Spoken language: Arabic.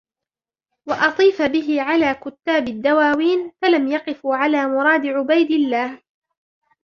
وَأُطِيفَ بِهِ عَلَى كُتَّابِ الدَّوَاوِينِ فَلَمْ يَقِفُوا عَلَى مُرَادِ عُبَيْدِ اللَّهِ